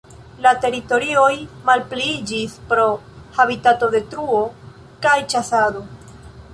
La teritorioj malpliiĝis pro habitatodetruo kaj ĉasado.